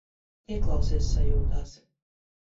Ieklausies sajūtās.